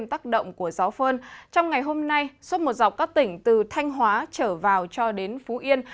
trong ngày hôm nay suốt một dọc các tỉnh từ thanh hóa trở vào cho đến phú yên